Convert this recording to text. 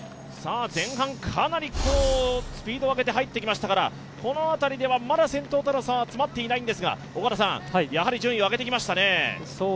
前半かなりスピードを上げて入ってきましたから、この辺りでは、まだ先頭と差は詰まっていないんですが、やはり順位を上げてきましたね。